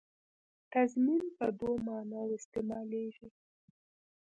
تضمین په دوو معناوو استعمالېږي.